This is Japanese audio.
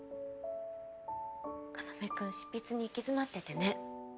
要くん執筆に行き詰まっててね。